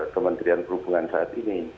kementerian perhubungan saat ini